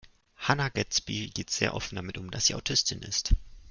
Hannah Gadsby geht sehr offen damit um, dass sie Autistin ist.